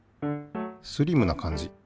スリムな感じ。